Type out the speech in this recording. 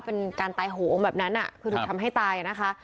เป็นการตายโหงแบบนั้นคือถูกทำให้ตายนะคะ